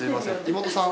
妹さん？